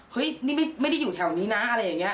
เฮ้ยนี่ไม่ได้อยู่แถวนี้นะอะไรอย่างนี้